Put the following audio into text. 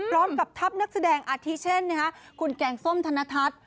พร้อมกับทัพนักแสดงอาทิเช่นคุณแกงส้มธนทัศน์